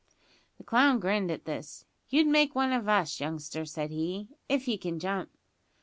The clown grinned at this. "You'd make one of us, youngster," said he, "if ye can jump.